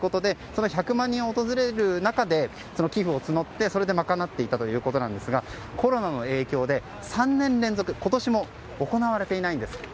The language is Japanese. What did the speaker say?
その１００万人訪れる中で寄付を募ってそれで賄っていたということなんですがコロナの影響で３年連続今年も行われていないんです。